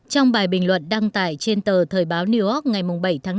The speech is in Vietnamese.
trong bài bình luận đăng tải trên tờ thời báo new york ngày bảy tháng năm